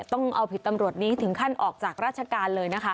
ต้องเอาผิดตำรวจนี้ถึงขั้นออกจากราชการเลยนะคะ